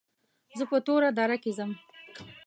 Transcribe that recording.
زه په توره دره کې ځم.